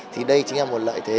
thì đây chính là một lợi thế